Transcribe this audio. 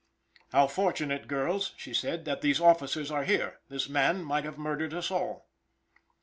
"How fortunate, girls," she said, "that these officers are here; this man might have murdered us all."